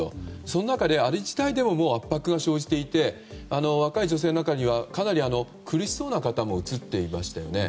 その中で圧迫が生じていて若い女性の中にはかなり苦しそうな方も映っていましたよね。